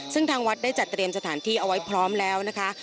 ซึ่งทางวัดได้จัดเตรียมสถานที่เอาไว้พร้อมแล้วนะคะ